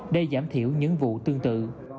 để giảm thiểu những vụ tương tự